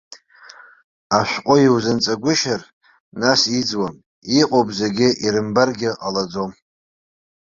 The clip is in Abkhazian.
Ашәҟәы иузанҵагәышьар, нас иӡуам, иҟоуп, зегьы ирымбаргьы ҟалаӡом.